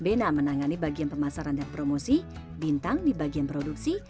bena menangani bagian pemasaran dan promosi bintang di bagian produksi